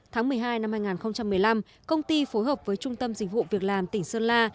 tháng một mươi hai năm hai nghìn một mươi năm công ty phối hợp với trung tâm dịch vụ việc làm tỉnh sơn la